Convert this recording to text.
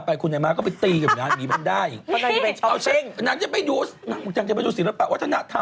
เป็นเมืองที่จริงต้องไปดูหมีแพนด้าใช่